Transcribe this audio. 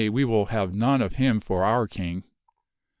we will have none of him for our King."